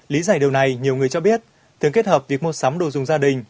lý giải điều này nhiều người cho biết thường kết hợp việc mua sắm đồ dùng gia đình